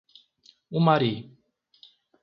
Umari